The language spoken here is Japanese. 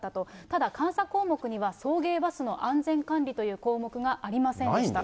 ただ、監査項目には、送迎バスの安全管理という項目がありませんでした。